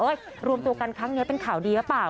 รวมตัวกันครั้งนี้เป็นข่าวดีหรือเปล่า